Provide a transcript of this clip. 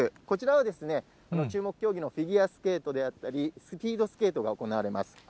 こちらは、注目競技のフィギュアスケートであったり、スピードスケートが行われます。